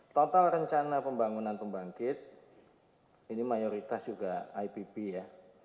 total rencana pembangunan pembangkit ini mayoritas juga ipb ya